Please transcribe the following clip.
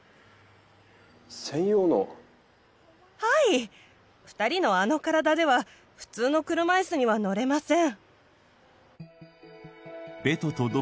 はい２人のあの体では普通の車いすには乗れません